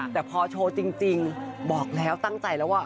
แต่พอโชว์จริงบอกแล้วตั้งใจแล้วว่า